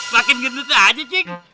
makin gendut aja cik